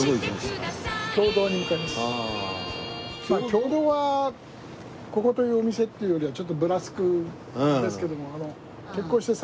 経堂はここというお店っていうよりはちょっとぶらつくんですけども。